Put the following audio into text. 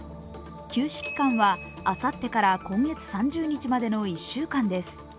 休止期間はあさってから今月３０日までの１週間です。